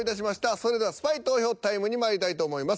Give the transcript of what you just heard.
それではスパイ投票タイムにまいりたいと思います。